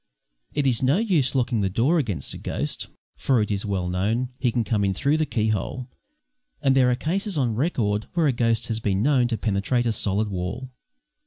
It is no use locking the door against a ghost, for, as is well known, he can come in through the key hole, and there are cases on record when a ghost has been known to penetrate a solid wall.